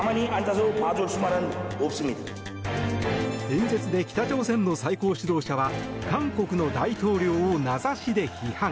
演説で北朝鮮の最高指導者は韓国の大統領を名指しで批判。